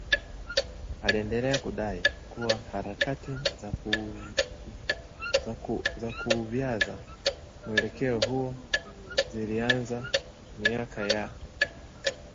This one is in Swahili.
Aliendelea kudai kuwa harakati za kuuvyaza mwelekeo huo zilianza miaka ya